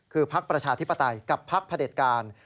คือพักประชาธิปไตยกับพักพระเด็จการ